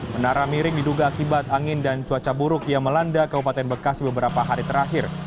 menara miring diduga akibat angin dan cuaca buruk yang melanda kabupaten bekasi beberapa hari terakhir